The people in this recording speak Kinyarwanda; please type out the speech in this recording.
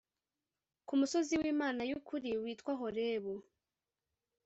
ku musozi w Imana y ukuril witwa Horebu